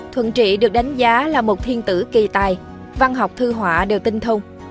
thuận trị được đánh giá là một thiên tử kỳ tài văn học thư họa đều tinh thông